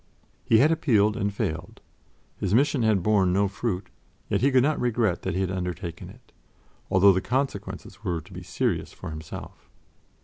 He had appealed and failed his mission had borne no fruit, yet he could not regret that he had undertaken it, although the consequences were to be serious for himself.